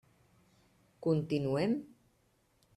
Continuem?